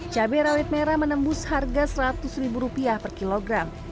cabai rawit merah menembus harga seratus ribu rupiah per kilogram